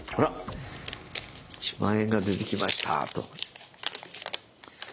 「一万円が出てきました」と。